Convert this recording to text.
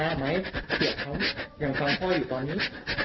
เเผียบเค้าอย่างทางพ่ออยู่ตอนนี้